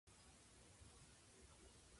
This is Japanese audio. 引用先を記載してください